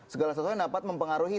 segala sesuatu yang dapat mempengaruhi